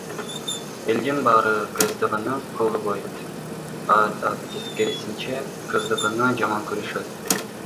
Элдин баары КСДПны колдобойт, а тескерисинче КСДПны жаман көрүшөт.